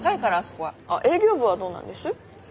あっ営業部はどうなんです？